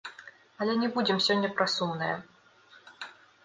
Але не будзем сёння пра сумнае.